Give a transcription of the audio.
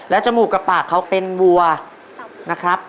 จมูกกับปากเขาเป็นวัวนะครับ